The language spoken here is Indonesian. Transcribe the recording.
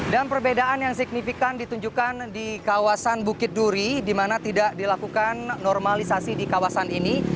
dan perbedaan yang signifikan ditunjukkan di kawasan bukit duri di mana tidak dilakukan normalisasi di kawasan ini